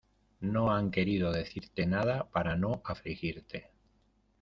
No han querido decirte nada para no afligirte.